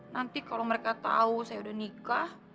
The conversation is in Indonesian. nanti kalau mereka tahu saya udah nikah